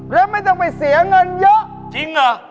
แล้วไม่ต้องไปเสียเงินเยอะจริงเหรอ